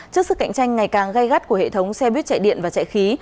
trước sức cạnh tranh ngày càng gai gắt của hệ thống xe buýt chạy điện và chạy khí